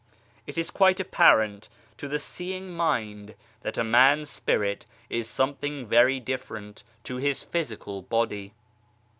It is quite apparent to the seeing mind that a man's spirit is something very different to his physical body.